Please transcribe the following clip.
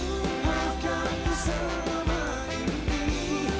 apa kan aku selama ini